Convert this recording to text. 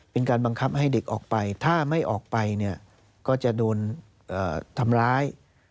เป็นการบังคับให้เด็กออกไปถ้าไม่ออกไปเนี่ยก็จะโดนทำร้าย